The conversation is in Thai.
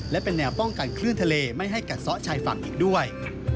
และเป็นแนวป้องกันคลื่นทะเลไม่ให้กัดซ้อชายฝั่งอีกด้วย